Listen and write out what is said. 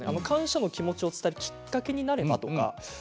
感謝の気持ちを伝えるきっかけになればと。